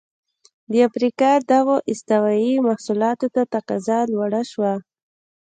د افریقا دغو استوايي محصولاتو ته تقاضا لوړه شوه.